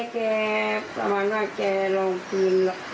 แกประมาณว่าแกลองคืน